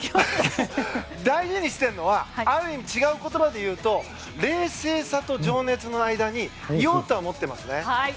大事にしているのはある意味、違う言葉で言うと冷静さと情熱の間にいようとは思ってます。